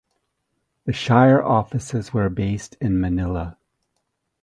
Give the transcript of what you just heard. The shire offices were based in Manilla.